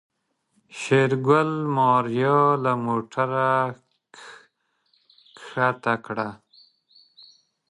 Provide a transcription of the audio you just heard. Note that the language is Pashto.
شېرګل ماريا له موټره کښته کړه.